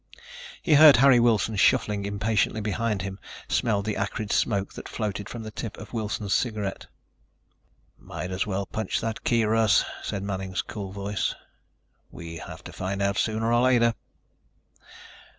He heard Harry Wilson shuffling impatiently behind him, smelled the acrid smoke that floated from the tip of Wilson's cigarette. "Might as well punch that key, Russ," said Manning's cool voice. "We have to find out sooner or later."